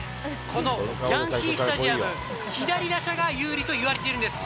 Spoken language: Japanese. このヤンキースタジアム、左打者が有利といわれているんです。